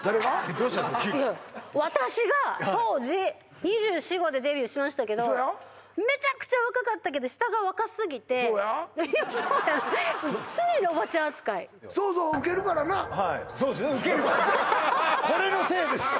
どうしたんですか急に私が当時２４２５でデビューしましたけどそうやめちゃくちゃ若かったけど下が若すぎてそうやそうや常におばちゃん扱いそうそうウケるからなはいそうですねウケるからこれのせいです